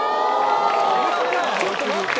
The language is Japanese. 「ちょっと待って！